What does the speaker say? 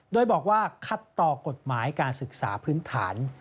โดยบอกว่าขัดต่อกฎหมายการศึกษาพื้นฐาน